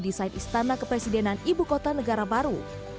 desain istana kepresidenan ibu kota negara baru